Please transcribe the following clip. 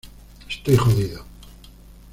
Estoy jodido.